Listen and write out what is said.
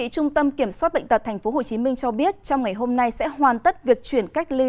trung tâm kiểm soát bệnh tật tp hcm cho biết trong ngày hôm nay sẽ hoàn tất việc chuyển cách ly